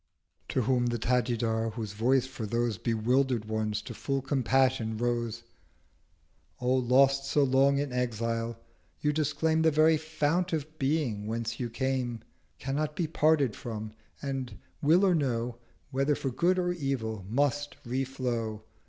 '— To whom the Tajidar, whose Voice for those 560 Bewilder'd ones to full Compassion rose 'O lost so long in exile, you disclaim The very Fount of Being whence you came, Cannot be parted from, and, will or no, Whether for Good or Evil must re flow!